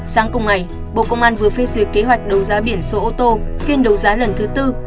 sáng cùng ngày bộ công an vừa phê duyệt kế hoạch đấu giá biển số ô tô phiên đấu giá lần thứ tư